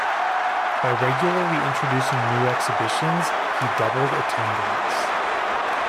By regularly introducing new exhibitions he doubled attendance.